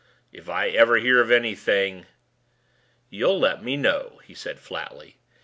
"If I hear of anything " "You'll let me know," he said flatly.